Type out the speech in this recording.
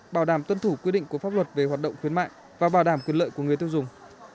bảo đảm tuân thủ quy định của pháp luật về hoạt động khuyến mại và bảo đảm quyền lợi của người tiêu dùng